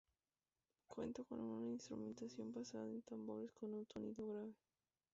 Cuenta con una instrumentación basada en tambores con un sonido grave.